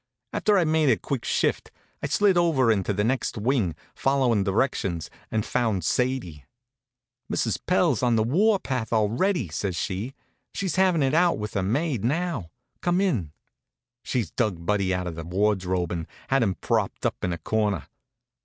After I'd made a quick shift I slid over into the next wing, followin' directions, and found Sadie. "Mrs. Pell's on the war path already," says she. "She's having it out with her maid now. Come in." She'd dug Buddy out of the wardrobe and had him propped up in a corner.